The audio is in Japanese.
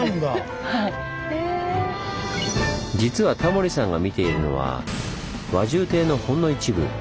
実はタモリさんが見ているのは輪中堤のほんの一部。